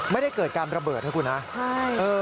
ไม่ได้เกิดการระเบิดนะครับ